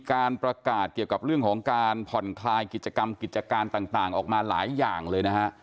การประกาศเกี่ยวกับเรื่องของการผ่อนคลายกิจกรรมกิจการต่างออกมาหลายอย่างเลยนะฮะ